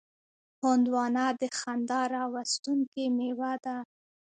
هندوانه د خندا راوستونکې میوه ده.